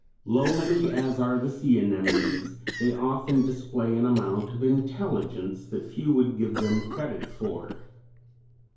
] Lowly as are the sea anemones, they often display an amount of intelligence that few would give them credit for.